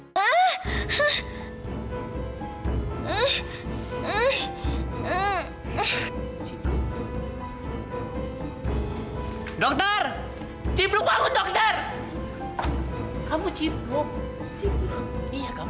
sampai jumpa di video selanjutnya